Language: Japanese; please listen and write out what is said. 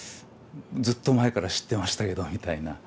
「ずっと前から知ってましたけど」みたいな。